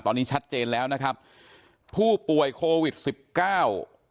ตอนนี้ชัดเจนแล้วนะครับผู้ป่วยโควิดสิบเก้า